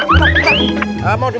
atau mau dikantongin